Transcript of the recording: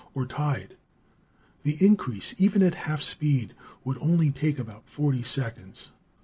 Or tied. The increase, even at half speed, would only take about forty seconds.